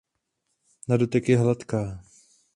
Na dotek je hladká.